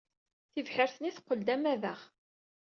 Tibḥirt-nni teqqel d amadaɣ.